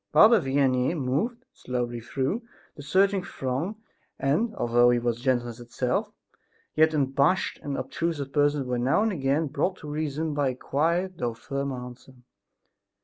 Father Vianney moved, slowly through the surging throng and, although he was gentleness itself, yet unabashed and obtrusive persons were now and again brought to reason by a quiet though firm answer.